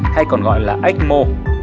hay còn gọi là ecmo